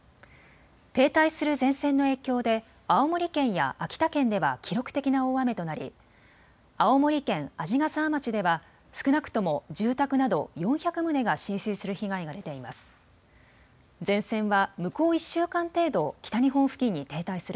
停滞する前線の影響で、青森県や秋田県では記録的な大雨となり、青森県鰺ヶ沢町では、少なくとも住宅など４００棟が浸水する被害が出ています。